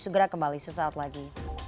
segera kembali sesaat lagi